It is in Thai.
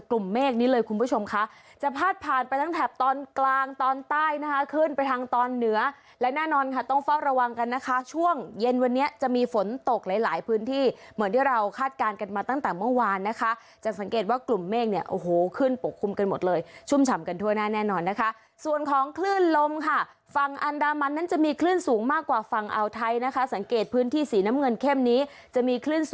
ระวังกันนะคะช่วงเย็นวันนี้จะมีฝนตกหลายหลายพื้นที่เหมือนที่เราคาดการณ์กันมาตั้งแต่เมื่อวานนะคะจะสังเกตว่ากลุ่มเมฆเนี่ยโอ้โหขึ้นปกคุมกันหมดเลยชุ่มฉ่ำกันทั่วหน้าแน่นอนนะคะส่วนของคลื่นลมค่ะฝั่งอันดามันนั้นจะมีคลื่นสูงมากกว่าฝั่งเอาไทยนะคะสังเกตพื้นที่สีน้ำเงินเข้มนี้จะมีค